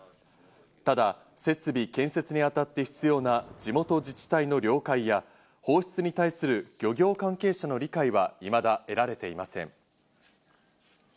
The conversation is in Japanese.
ただ、設備建設にあたって必要な地元自治体の了解や、放出に対する漁業関係者の理解はいまだ得られていません。